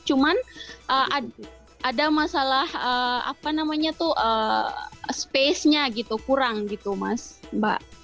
cuman ada masalah apa namanya tuh space nya gitu kurang gitu mas mbak